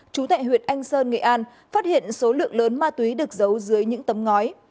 chú tại huyện anh sơn nghệ an phát hiện số lượng lớn ma túy được giấu dưới những tấm ngói